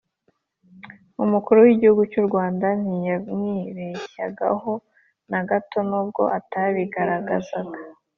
umukuru w'igihugu cy'u rwanda ntiyamwibeshyagaho na gato, nubwo atabigaragazaga